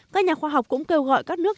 các nhà khoa học cũng kêu gọi các nước